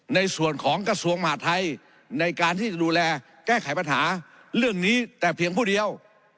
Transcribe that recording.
ในส่วนของกระทรวงมหาทัยในการที่จะดูแลแก้ไขปัญหาเรื่องนี้แต่เพียงผู้เดียว